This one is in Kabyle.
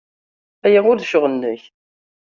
Aya ur d ccɣel-nnek.